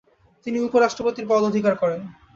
তিনি উপ-রাষ্ট্রপতির পদ অধিকার করেন।